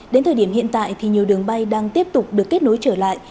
đến thời điểm hiện tại thì nhiều đường bay đang tiếp tục được kết nối trở lại